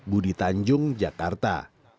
budi tanjung jakarta